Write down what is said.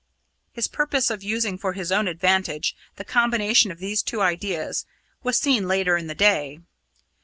His purpose of using for his own advantage the combination of these two ideas was seen later in the day.